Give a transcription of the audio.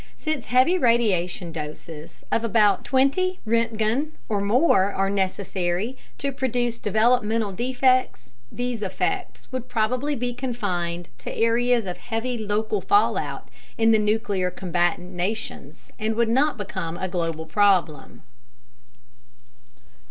Since heavy radiation doses of about 20 roentgen or more (see "Radioactivity" note) are necessary to produce developmental defects, these effects would probably be confined to areas of heavy local fallout in the nuclear combatant nations and would not become a global problem.